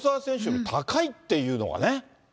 選手より高いっていうのがね。